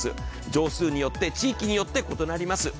畳数によって、地域によって異なります。